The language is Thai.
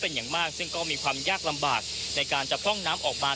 เป็นอย่างมากซึ่งก็มีความยากลำบากในการจะพร่องน้ำออกมา